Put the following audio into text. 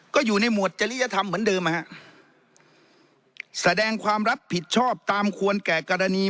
ก็อยู่ในหวดจริยธรรมเหมือนเดิมนะฮะแสดงความรับผิดชอบตามควรแก่กรณี